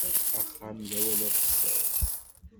Axxam d awal afessas.